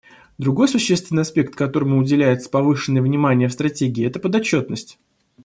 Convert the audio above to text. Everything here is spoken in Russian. Другой существенный аспект, которому уделяется повышенное внимание в Стратегии, — это подотчетность.